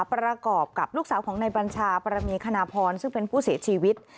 ประกอบกับลูกสาวของนายบัญชาปรมีคณพรซึ่งเป็นผู้เสียชีวิต